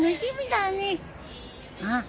うん？